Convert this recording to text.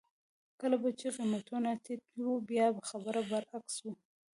کله به چې قېمتونه ټیټ وو بیا خبره برعکس وه.